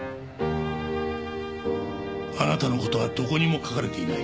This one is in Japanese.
あなたの事はどこにも書かれていない。